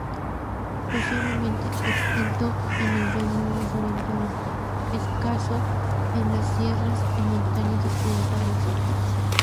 Posiblemente extinto en las llanuras orientales; escaso en las sierras y montañas occidentales.